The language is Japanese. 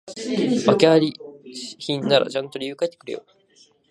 訳あり品ならちゃんと理由書いてくれよ